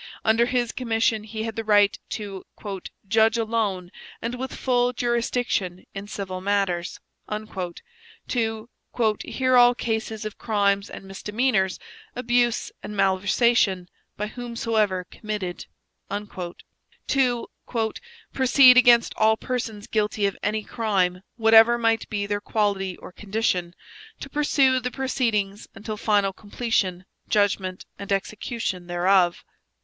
Under his commission he had the right to 'judge alone and with full jurisdiction in civil matters,' to 'hear all cases of crimes and misdemeanours, abuse and malversation, by whomsoever committed,' to 'proceed against all persons guilty of any crime, whatever might be their quality or condition, to pursue the proceedings until final completion, judgment and execution thereof.'